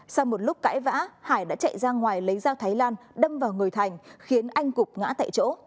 sau một lúc cãi vã hải đã chạy ra ngoài lấy dao thái lan đâm vào người thành khiến anh cục ngã tại chỗ